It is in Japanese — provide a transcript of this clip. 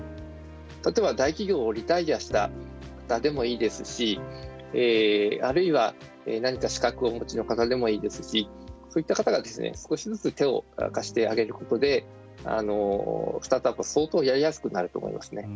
例えば、大企業をリタイアした方でもいいですしあるいは、何か資格をお持ちの方でもいいですしそういった方が少しずつ手を貸してあげることでスタートアップは相当やりやすくなると思いますね。